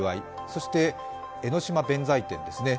そして江の島弁財天ですね。